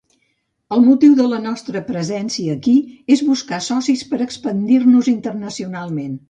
El motiu de la nostra presència aquí és buscar socis per expandir-nos internacionalment.